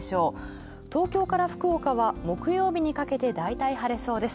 東京から福岡は木曜日にかけてだいたい晴れそうです。